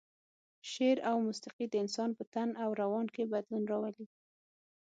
شعر او موسيقي د انسان په تن او روان کې بدلون راولي.